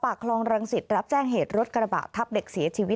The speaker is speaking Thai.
คลองรังสิตรับแจ้งเหตุรถกระบะทับเด็กเสียชีวิต